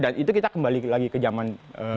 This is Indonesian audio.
dan itu kita kembali lagi ke zaman